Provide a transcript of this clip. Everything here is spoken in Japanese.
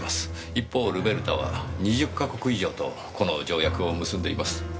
一方ルベルタは２０か国以上とこの条約を結んでいます。